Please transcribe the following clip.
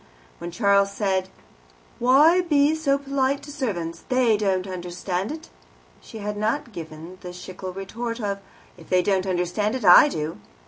When Charles said, "Why be so polite to servants? they don't understand it," she had not given the Schlegel retort of, "If they don't understand it, I do."